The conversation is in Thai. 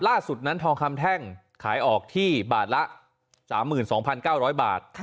ล่าสุดนั้นทองคำแท่งขายออกที่บาทละ๓๒๙๐๐บาท